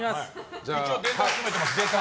一応、データを持ってます。